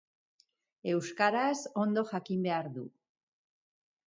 Euskaraz ondo jakin behar du.